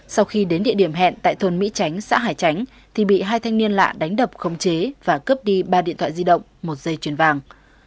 sau khi đến địa điểm hẹn tại thôn mỹ tránh xã hải chánh thì bị hai thanh niên lạ đánh đập không chế và cướp đi ba điện thoại di động một dây chuyền vàng